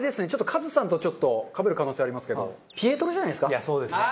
カズさんとちょっとかぶる可能性ありますけどピエトロじゃないですか？